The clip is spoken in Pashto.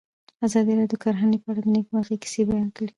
ازادي راډیو د کرهنه په اړه د نېکمرغۍ کیسې بیان کړې.